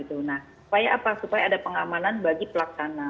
supaya ada pengamanan bagi pelaksana